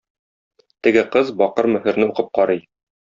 Теге кыз бакыр мөһерне укып карый.